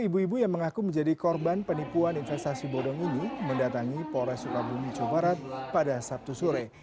ibu ibu yang mengaku menjadi korban penipuan investasi bodong ini mendatangi polres sukabumi jawa barat pada sabtu sore